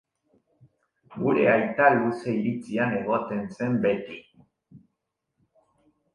Gure aita luze iritzian egoten zen beti.